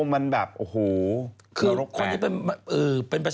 ไปแทงเพื่อนเขานะครับ